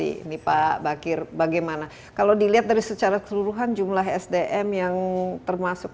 ini pak bakir bagaimana kalau dilihat dari secara keseluruhan jumlah sdm yang termasuk